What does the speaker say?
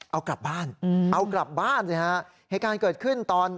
เอากลับบ้านเหตุการณ์เกิดขึ้นตอน